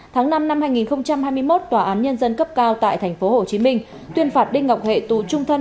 tháng năm năm hai nghìn hai mươi một tòa án nhân dân cấp cao tại tp hcm tuyên phạt đinh ngọc hệ tù trung thân